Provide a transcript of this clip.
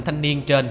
thanh niên trên